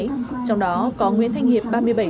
trong đó có nguyễn thanh hiệp ba mươi bảy tuổi